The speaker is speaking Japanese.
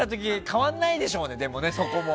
変わらないでしょうね、そこも。